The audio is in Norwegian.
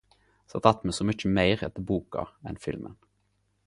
Sat att med så mykje meir etter boka enn filmen.